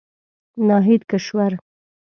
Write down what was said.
ناهيد کشور